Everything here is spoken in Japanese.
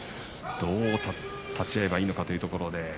どう立ち合えばいいのかというところで。